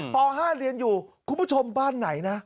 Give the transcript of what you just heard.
ป๕เรียนอยู่คุณผู้ชมบ้านไหนนะ